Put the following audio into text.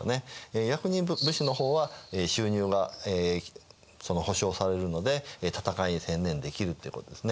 逆に武士の方は収入が保証されるので戦いに専念できるっていうことですね。